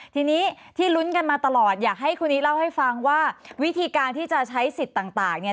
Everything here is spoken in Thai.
ทีนี้ที่ลุ้นกันมาตลอดอยากให้คนนี้เล่าให้ฟังว่าวิธีการที่จะใช้สิทธิ์ต่างเนี่ย